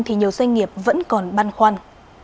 thì nhiều doanh nghiệp vẫn còn băn khoăn